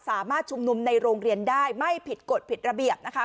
สามารถชุมนุมในโรงเรียนได้ไม่ผิดกฎผิดระเบียบนะคะ